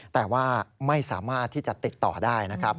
แต่ว่าไม่สามารถที่จะติดต่อได้นะครับ